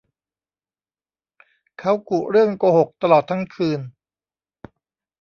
เขากุเรื่องโกหกตลอดทั้งคืน